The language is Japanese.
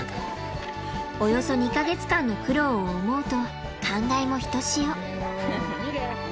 およそ２か月間の苦労を思うと感慨もひとしお。